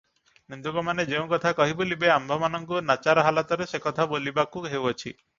ନିନ୍ଦୁକମାନେ ଯେଉଁ କଥା କହି ବୁଲିବେ, ଆମ୍ଭମାନଙ୍କୁ ନାଚାର ହାଲତରେ ସେ କଥା ବୋଲିବାକୁ ହେଉଅଛି ।